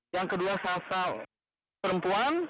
yang kedua sasa perempuan